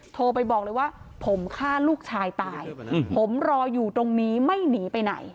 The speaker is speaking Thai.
โทรไปบอกเลยว่าผมฆ่าลูกชายตายผมรออยู่ตรงนี้ไม่หนีไปไหน